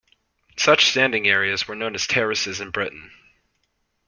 Such standing areas were known as "terraces" in Britain.